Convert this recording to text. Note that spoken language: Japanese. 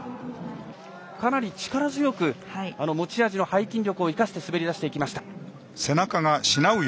かなり力強く持ち味の背筋力を生かして滑り出してきました。